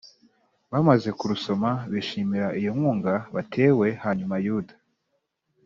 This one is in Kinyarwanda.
Bamaze kurusoma bishimira iyo nkunga batewe hanyuma yuda